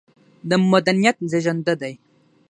د مدنيت زېږنده دى